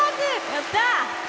やった！